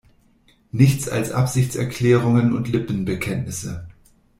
Nichts als Absichtserklärungen und Lippenbekenntnisse.